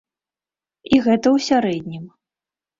І гэта ў сярэднім.